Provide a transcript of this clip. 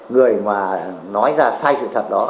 người mà nói ra sai sự thật đó